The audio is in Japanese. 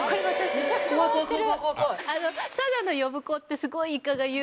めちゃくちゃ回ってる。